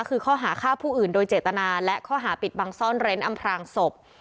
คือข้อหาฆ่าผู้อื่นโดยเจตนาและข้อหาปิดบังซ่อนเร้นอำพลางศพ